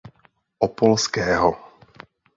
Opolského.